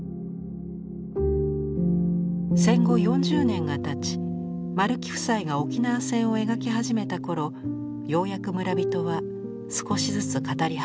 戦後４０年がたち丸木夫妻が沖縄戦を描き始めた頃ようやく村人は少しずつ語り始めました。